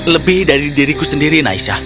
lebih dari diriku sendiri naisha